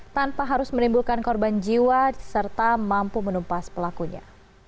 tanpa harus menimbulkan korban jiwa serta mampu menumpas pelakunya